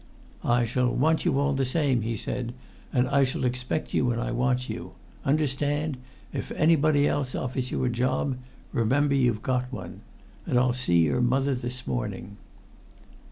"I shall want you all the same," he said, "and I shall expect to get you when I want you. Understand? If anybody else offers you a job, remember you've got one. And I'll see your mother this morning."